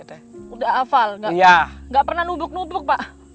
udah hafal nggak pernah nubuk nubuk pak